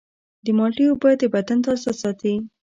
د مالټې اوبه د بدن تازه ساتي.